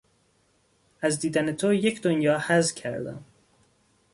از دیدن تو یک دنیا حظ کردم!